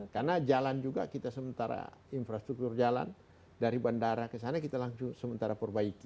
karena jalan juga kita sementara infrastruktur jalan dari bandara ke sana kita langsung sementara perbaiki